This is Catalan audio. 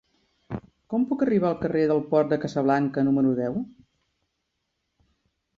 Com puc arribar al carrer del Port de Casablanca número deu?